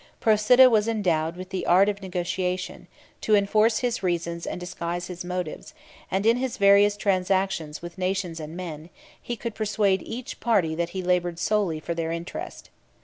Procida was endowed with the art of negotiation, to enforce his reasons and disguise his motives; and in his various transactions with nations and men, he could persuade each party that he labored solely for their interest.